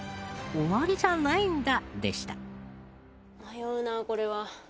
「終わりじゃないんだ」でした。